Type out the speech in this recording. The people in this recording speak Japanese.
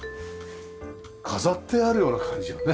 飾ってあるような感じよね。